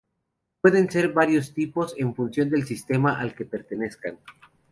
Pueden ser de varios tipos, en función del sistema al que pertenezcan.